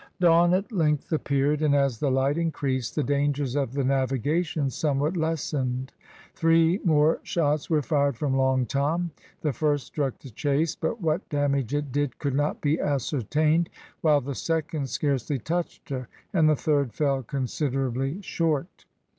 Dawn at length appeared, and as the light increased, the dangers of the navigation somewhat lessened. Three more shots were fired from "Long Tom." The first struck the chase, but what damage it did could not be ascertained, while the second scarcely touched her, and the third fell considerably short.